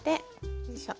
よいしょ。